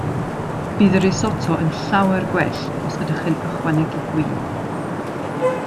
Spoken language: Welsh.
Bydd y risotto yn llawer gwell os ydych chi'n ychwanegu gwin.